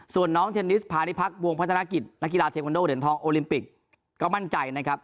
ส่วนน้องเทนนิสพาณิพักษวงพัฒนากิจนักกีฬาเทควันโดเหรียญทองโอลิมปิกก็มั่นใจนะครับ